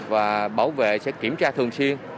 và bảo vệ sẽ kiểm tra thường xuyên